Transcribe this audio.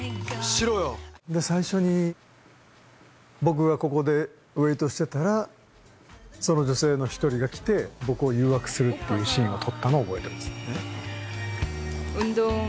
最初に僕がここでウエートしてたらその女性の一人が来て僕を誘惑するっていうシーンを撮ったのを覚えてます。